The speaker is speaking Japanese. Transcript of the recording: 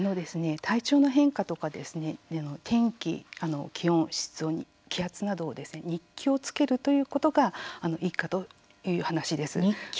体調の変化とかですね天気、気温、湿度、気圧などを日記をつけるということがいいかという話です。